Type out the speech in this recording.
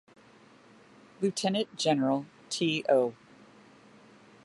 Lieutenant-General T. O.